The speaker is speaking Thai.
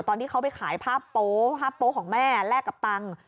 ตอนที่เขาไปขายผ้าโป๊ภาพโป๊ของแม่แลกกับตังค์